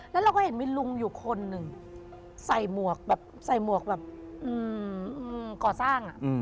แล้วเราก็เห็นมีลุงอยู่คนหนึ่งใส่หมวกแบบก่อสร้าง